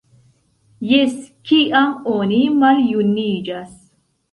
Jes, kiam oni maljuniĝas!